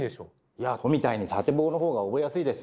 いや「ト」みたいに縦棒の方が覚えやすいですよ。